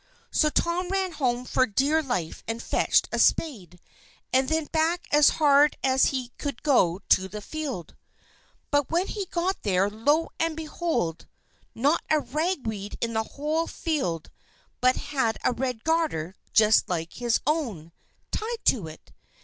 So Tom ran home for dear life and fetched a spade, and then back as hard as he could go to the field. But when he got there, lo, and behold! not a ragweed in the whole field but had a red garter, just like his own, tied to it!